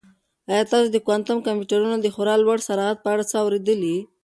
آیا تاسو د کوانټم کمپیوټرونو د خورا لوړ سرعت په اړه څه اورېدلي؟